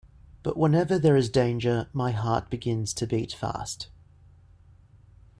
But whenever there is danger my heart begins to beat fast.